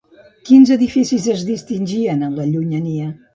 Quins edificis es distingien en la llunyania?